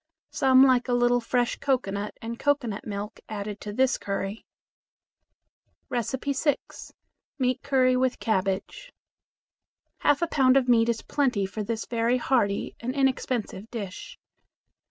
Some like a little fresh cocoanut and cocoanut milk added to this curry. 6. Meat Curry with Cabbage. Half a pound of meat is plenty for this very hearty and inexpensive dish.